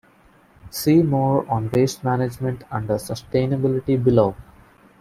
See more on Waste Management under "Sustainability" below.